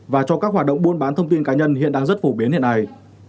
và cho các hoạt động buôn bán thông tin cá nhân hiện đang rất phổ biến hiện nay